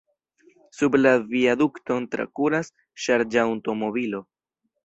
Sub la viadukton trakuras ŝarĝaŭtomobilo.